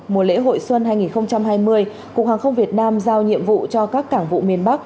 mùa lễ hội xuân hai nghìn hai mươi cục hàng không việt nam giao nhiệm vụ cho các cảng vụ miền bắc